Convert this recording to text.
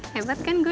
hebat kan gue